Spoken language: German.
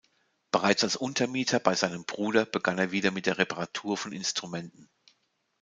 Bereits als Untermieter bei seinem Bruder begann er wieder mit der Reparatur von Instrumenten.